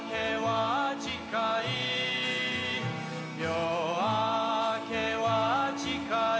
「夜明けは近い」